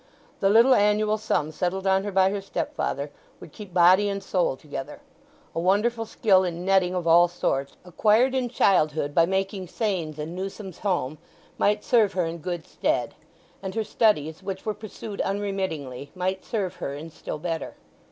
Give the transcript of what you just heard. The little annual sum settled on her by her stepfather would keep body and soul together. A wonderful skill in netting of all sorts—acquired in childhood by making seines in Newson's home—might serve her in good stead; and her studies, which were pursued unremittingly, might serve her in still better.